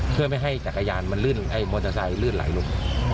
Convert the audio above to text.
เพื่อไม่ให้มอเตอร์ไซค์ลืดหลายลม